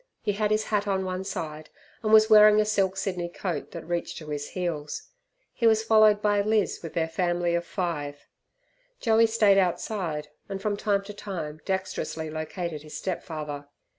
He had his hat on one side, and was wearing a silk Sydney coat that reached to his heels. He was followed by Liz with their family of five Joey stayed outside, and from time to time dexterously located his step father.